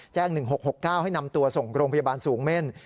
๑๖๖๙ให้นำตัวส่งโรงพยาบาลสูงเม่น